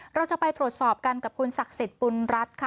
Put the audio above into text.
เราจะไปตรวจสอบกันกับคุณศักดิ์สิทธิ์บุญรัฐค่ะ